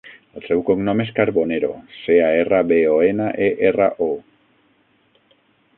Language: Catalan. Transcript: El seu cognom és Carbonero: ce, a, erra, be, o, ena, e, erra, o.